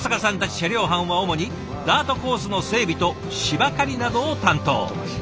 車両班は主にダートコースの整備と芝刈りなどを担当。